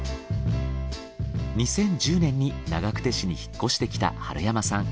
２０１０年に長久手市に引っ越してきた春山さん。